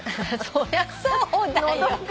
そりゃそうだよ。